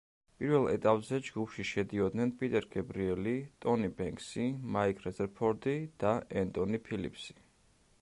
პირველ ეტაპზე ჯგუფში შედიოდნენ პიტერ გებრიელი, ტონი ბენქსი, მაიკ რეზერფორდი და ენტონი ფილიპსი.